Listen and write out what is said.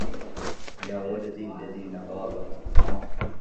يا ولدي اللذين غابا